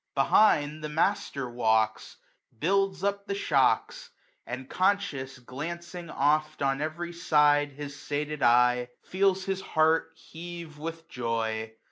Behind the master walks, builds up the shocks ; And, conscious, glancing oft on every side His sated eye, feels his heart heave with joy.